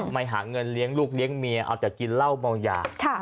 ไม่หาเงินเลี้ยงลูกเลี้ยงเมียเอาแต่กินเหล้าเมายา